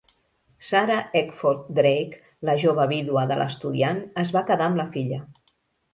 Sarah Eckford Drake, la jove vídua de l'estudiant, es va quedar amb la filla.